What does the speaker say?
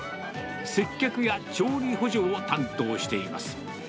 接客や調理補助を担当しています。